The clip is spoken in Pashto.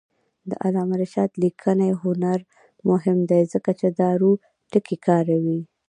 د علامه رشاد لیکنی هنر مهم دی ځکه چې دارو ټکي کاروي.